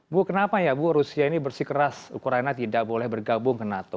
bu kenapa ya bu rusia ini bersih keras ukraina tidak boleh bergabung ke nato